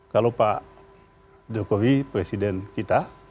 kalau pak jokowi presiden kita